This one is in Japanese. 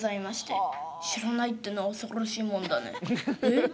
「知らないってのは恐ろしいもんだねえええ？